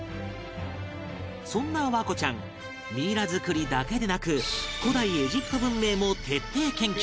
そんな環子ちゃんミイラ作りだけでなく古代エジプト文明も徹底研究！